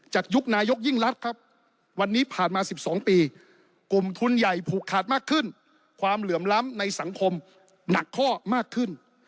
ยุคนายกยิ่งรัฐครับวันนี้ผ่านมา๑๒ปีกลุ่มทุนใหญ่ผูกขาดมากขึ้นความเหลื่อมล้ำในสังคมหนักข้อมากขึ้น